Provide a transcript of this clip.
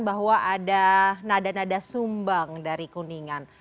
bahwa ada nada nada sumbang dari kuningan